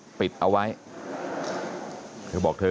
กระดิ่งเสียงเรียกว่าเด็กน้อยจุดประดิ่ง